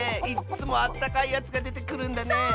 いっつもあったかいやつがでてくるんだね。